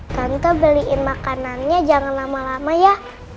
tante beliin makanannya jangan lama lama ya